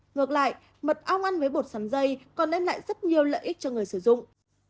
ngược lại mật ong ăn với bột sắn dây còn đem lại rất nhiều lợi ích cho người sử dụng